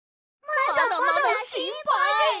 まだまだしんぱいです！